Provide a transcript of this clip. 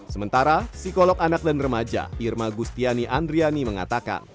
sementara psikolog anak dan remaja irma gustiani andriani mengatakan